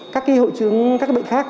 các hội chứng các bệnh khác